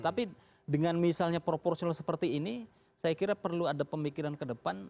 tapi dengan misalnya proporsional seperti ini saya kira perlu ada pemikiran ke depan